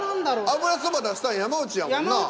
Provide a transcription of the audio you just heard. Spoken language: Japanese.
油そば出したん山内やもんな。